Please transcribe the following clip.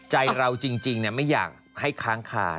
ใจเราจริงไม่อยากให้ค้างขาด